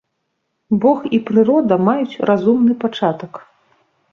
Бог і прырода маюць разумны пачатак.